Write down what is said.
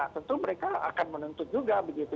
tentu mereka akan menuntut juga begitu